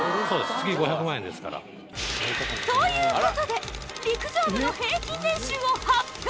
月５００万円ですから。という事で陸上部の平均年収を発表！